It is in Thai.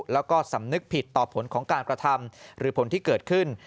แล้วก็สำนึกผิดต่อผลของการกระทำหรือผลที่เกิดขึ้น